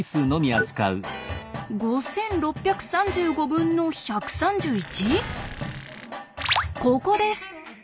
５６３５分の１３１？ココです！